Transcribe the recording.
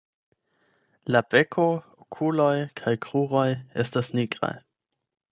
La beko, okuloj kaj kruroj estas nigraj.